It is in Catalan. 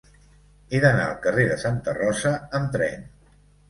He d'anar al carrer de Santa Rosa amb tren.